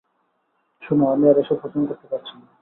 শোনো, আমি আর এসব হজম করতে পারছি না।